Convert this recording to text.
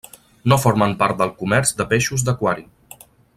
No formen part del comerç de peixos d'aquari.